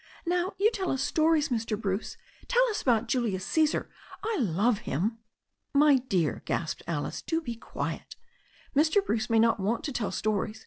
"Now you tell us stories, Mr. Bruce. Tell us about Julius Caesar. I love him." "My dear," gasped Alice, "do be quiet. Mr. Bruce may not want to tell stories.